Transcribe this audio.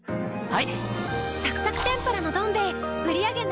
はい。